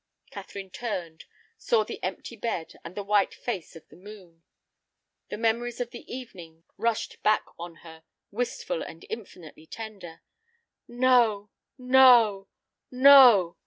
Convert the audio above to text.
Catherine turned, saw the empty bed, and the white face of the moon. The memories of the evening rushed back on her, wistful and infinitely tender. "No, no, no!"